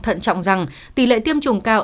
thận trọng rằng tỷ lệ tiêm chủng cao